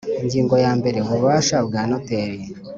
Ingingo ya mbere Ububasha bw ubunoteri